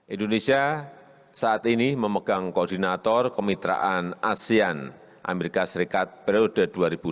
indonesia saat ini memegang koordinator kemitraan asean amerika serikat periode dua ribu dua puluh satu dua ribu dua puluh empat